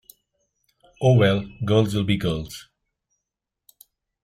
Oh, well, girls will be girls.